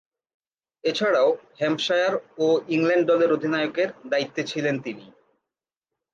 এছাড়াও, হ্যাম্পশায়ার ও ইংল্যান্ড দলের অধিনায়কের দায়িত্বে ছিলেন তিনি।